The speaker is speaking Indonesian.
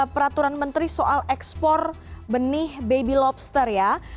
peraturan menteri soal ekspor benih baby lobster ya